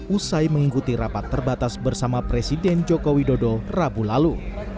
usai mengikuti rapat terbatas bersama presiden joko widodo rabu lalu